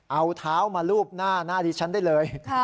เอาเท้ามาลูบหน้าหน้าดิฉันได้เลย